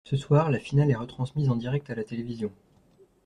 Ce soir, la finale est retransmise en direct à la télévision.